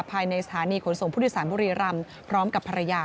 ภายในสถานีขนส่งผู้โดยสารบุรีรำพร้อมกับภรรยา